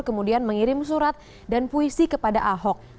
kemudian mengirim surat dan puisi kepada ahok